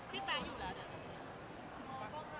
พี่แปลงอยู่แล้วนะ